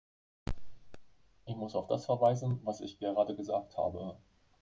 Ich muss auf das verweisen, was ich gerade gesagt habe.